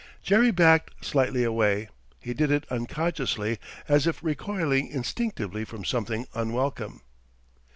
Jerry backed slightly away. He did it unconsciously, as if recoiling instinctively from something unwelcome.